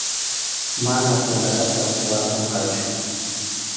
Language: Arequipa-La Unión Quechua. Mana polacata suwarqunqachu.